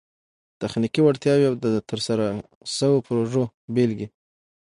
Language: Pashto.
تخنیکي وړتیاوي او د ترسره سوو پروژو بيلګي